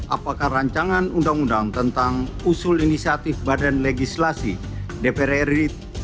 apakah rancangan undang undang tentang usul inisiatif badan legislasi dpr ri